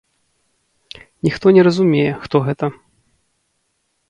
Ніхто не разумее, хто гэта.